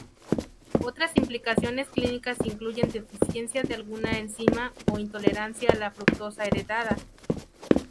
Otras implicaciones clínicas incluyen deficiencia de alguna enzima o intolerancia a la fructosa heredada.